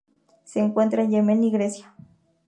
Se encuentra en Yemen y Grecia.